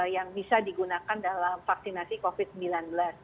yang bisa digunakan dalam vaksinasi covid sembilan belas